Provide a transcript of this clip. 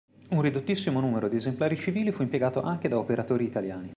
Un ridottissimo numero di esemplari civili fu impiegato anche da operatori italiani.